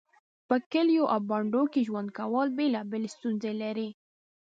په کليو او بانډو کې ژوند کول بيلابيلې ستونزې لري